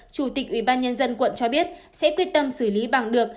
chủ tịch ủy ban nhân dân quận cho biết sẽ quyết tâm xử lý bằng được